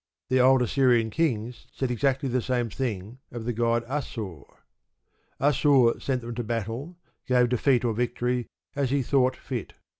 The old Assyrian kings said exactly the same thing of the god Assur. Assur sent them to battle, gave defeat or victory, as he thought fit.